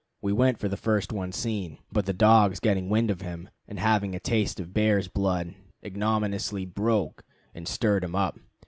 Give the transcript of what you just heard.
We went for the first one seen, but the dogs getting the wind of him, and having a taste of bear's blood, ignominiously "broke" and stirred him up.